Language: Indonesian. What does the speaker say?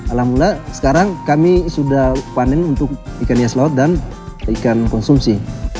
alhamdulillah sekarang kami sudah panen untuk ikan hias laut dan ikan konsumsi